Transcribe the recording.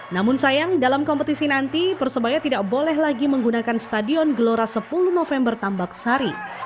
namun sayang dalam kompetisi nanti persebaya tidak boleh lagi menggunakan stadion gelora sepuluh november tambak sari